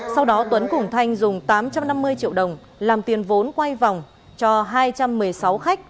sau đó tuấn cùng thanh dùng tám trăm năm mươi triệu đồng làm tiền vốn quay vòng cho hai trăm một mươi sáu khách